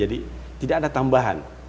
jadi tidak ada tambahan